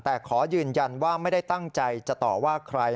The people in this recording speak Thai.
แต่ขอยืนยันว่าไม่ได้ตั้งใจจะต่อว่าใคร